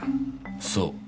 そう。